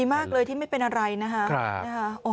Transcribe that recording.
มากเลยที่ไม่เป็นอะไรนะคะ